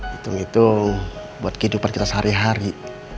hitung hitung buat kehidupan kita sehari hari